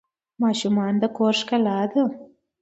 ماشومان د کور ښکلا ده.